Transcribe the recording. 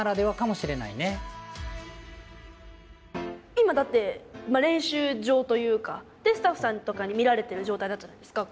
今だって練習場というかでスタッフさんとかに見られてる状態だったじゃないですか。